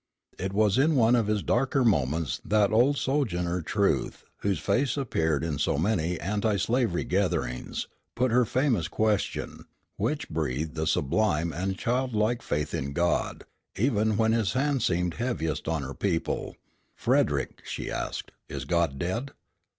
It was in one of his darker moments that old Sojourner Truth, whose face appeared in so many anti slavery gatherings, put her famous question, which breathed a sublime and childlike faith in God, even when his hand seemed heaviest on her people: "Frederick," she asked, "is God dead?"